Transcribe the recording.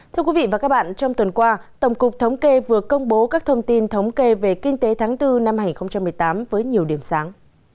thưa quý vị và các bạn trong tuần qua tổng cục thống kê vừa công bố các thông tin thống kê về kinh tế tháng bốn năm hai nghìn một mươi tám với nhiều điểm sáng